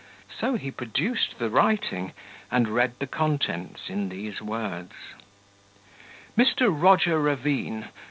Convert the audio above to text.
So he produced the writing, and read the contents in these words: "Mr. Roger Ravine.